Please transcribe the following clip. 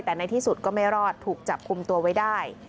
แต่ในที่สุดก็ไม่รอดถูกจับคุมตัวไว้ได้